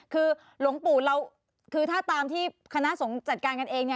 คือหลวงปู่เราคือถ้าตามที่คณะสงฆ์จัดการกันเอง